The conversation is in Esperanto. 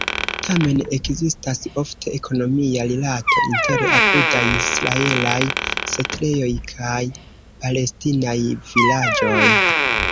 Tamen ekzistas ofte ekonomia rilato inter apudaj israelaj setlejoj kaj palestinaj vilaĝoj.